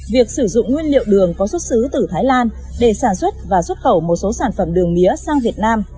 việc sử dụng nguyên liệu đường có xuất xứ từ thái lan để sản xuất và xuất khẩu một số sản phẩm đường mía sang việt nam